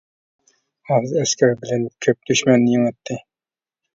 ئاز ئەسكەر بىلەن كۆپ دۈشمەننى يېڭەتتى.